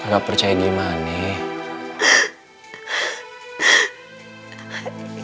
gak percaya gimana nih